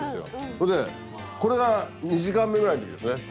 それでこれが２時間目ぐらいの時ですね。